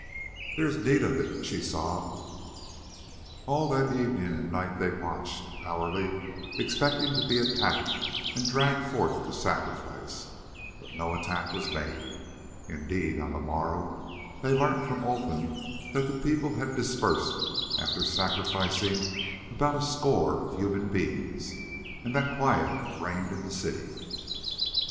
"There is need of it," she sobbed. All that evening and night they watched, hourly expecting to be attacked and dragged forth to sacrifice, but no attack was made. Indeed, on the morrow they learnt from Olfan that the people had dispersed after sacrificing about a score of human beings, and that quiet reigned in the city.